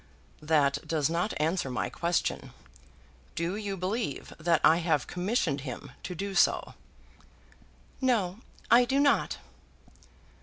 "That does not answer my question. Do you believe that I have commissioned him to do so?" "No; I do not."